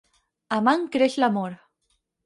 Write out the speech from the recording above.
Amant creix l'amor.